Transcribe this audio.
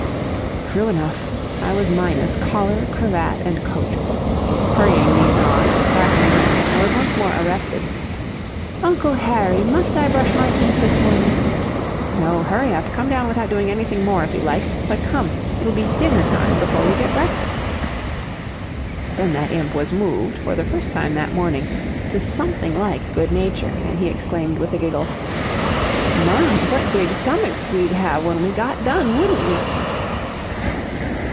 True enough I was minus collar, cravat, and coat. Hurrying these on, and starting again, I was once more arrested: "Uncle Harry, must I brush my teeth this morning?" "No hurry up come down without doing anything more, if you like, but COME it'll be dinner time before we get breakfast." Then that imp was moved, for the first time that morning, to something like good nature, and he exclaimed with a giggle: "My! What big stomachs we'd have when we got done, wouldn't we?"